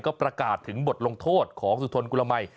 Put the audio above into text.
ก็ประกาศถึงบทลงโทษของสุธนกุลมัย